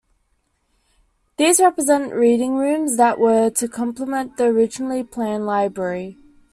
These represent reading rooms that were to complement the originally planned library.